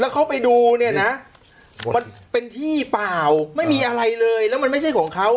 เขาไปดูเนี่ยนะมันเป็นที่เปล่าไม่มีอะไรเลยแล้วมันไม่ใช่ของเขา